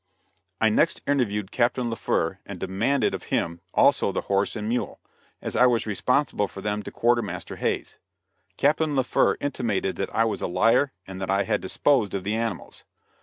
I next interviewed Captain Laufer and demanded of him also the horse and mule, as I was responsible for them to Quartermaster Hays. Captain Laufer intimated that I was a liar and that I had disposed of the animals.